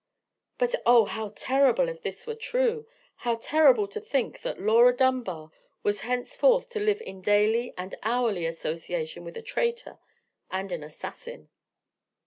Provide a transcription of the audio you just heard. But, oh, how terrible if this were true—how terrible to think that Laura Dunbar was henceforth to live in daily and hourly association with a traitor and an assassin!